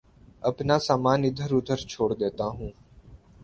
اپنا سامان ادھر ادھر چھوڑ دیتا ہوں